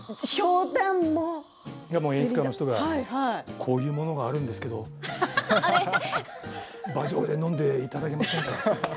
演出家の方も、こういうものがあるんですけれどと馬上で飲んでいただけませんかと。